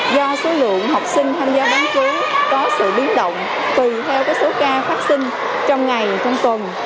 do số lượng học sinh tham gia bán chú có sự biến động tùy theo số ca phát sinh trong ngày trong tuần